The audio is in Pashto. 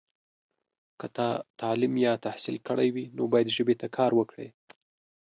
که تا تعلیم یا تحصیل کړی وي، نو باید ژبې ته کار وکړې.